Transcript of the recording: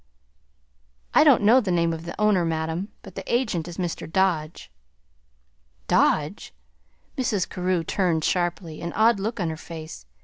"I don't know the name of the owner, madam; but the agent is Mr. Dodge." "Dodge!" Mrs. Carew turned sharply, an odd look on her face.